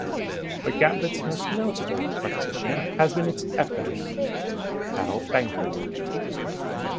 The gambit's most notable practitioner has been its eponym, Pal Benko.